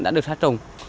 đã được sát trùng